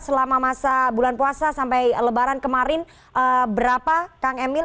selama masa bulan puasa sampai lebaran kemarin berapa kang emil